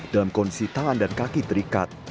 dalam kondisi tangan dan kaki terikat